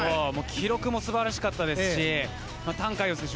記録も素晴らしかったですしタン・カイヨウ選手